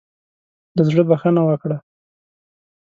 له زړۀ بخښنه وکړه.